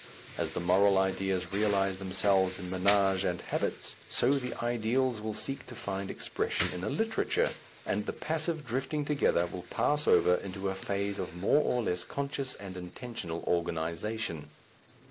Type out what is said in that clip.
As the moral ideas realize themselves in ménage and habits, so the ideals will seek to find expression in a literature, and the passive drifting together will pass over into a phase of more or less conscious and intentional organization.